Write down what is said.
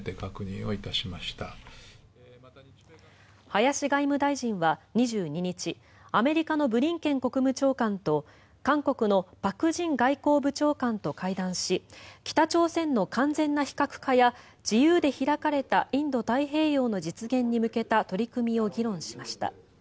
林外務大臣は２２日アメリカのブリンケン国務長官と韓国のパク・ジン外交部長官と会談し北朝鮮の完全な非核化や自由で開かれたインド太平洋の実現に向けた取り組みを議論しました。